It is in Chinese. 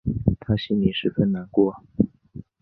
她心里十分难过